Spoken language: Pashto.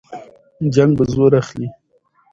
جنګ به زور اخلي.